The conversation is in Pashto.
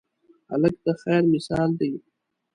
هلک د خیر مثال دی.